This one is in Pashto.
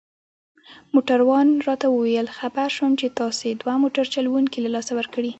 موټروان راته وویل: خبر شوم چي تاسي دوه موټر چلوونکي له لاسه ورکړي.